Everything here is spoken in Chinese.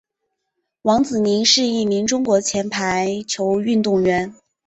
王子凌是一名中国前排球运动员。